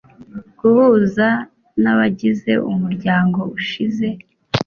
guhuza nabagize umuryango ushize